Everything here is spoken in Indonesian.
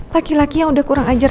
laki laki yang udah kurang ajar